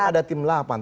itu kan ada tim lapan